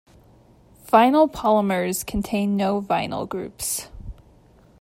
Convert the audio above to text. Vinyl polymers contain no vinyl groups.